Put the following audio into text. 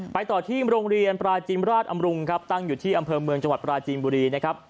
ต่อที่โรงเรียนปราจิมราชอำรุงครับตั้งอยู่ที่อำเภอเมืองจังหวัดปราจีนบุรีนะครับ